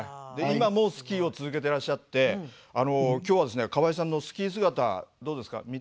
今もスキーを続けてらっしゃって今日はですね川合さんのスキー姿どうですか？